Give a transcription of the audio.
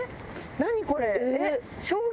何これ！